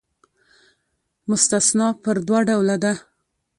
مستثنی پر دوه ډوله ده.